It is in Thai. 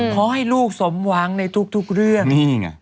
ขอให้ลูกสมหวังในทุกเรื่องนี่ไง